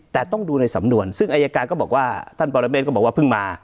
แต่ต้องดูในสำนวนซึ่งอายการก็บอกว่าท่านปรเมฆก็บอกว่าเพิ่งมา